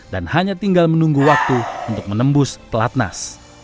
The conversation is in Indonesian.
dan hanya tinggal menunggu waktu untuk menembus pelatnas